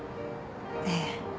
ええ。